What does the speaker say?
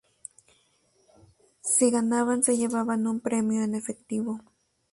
Si ganaban se llevaban un premio en efectivo.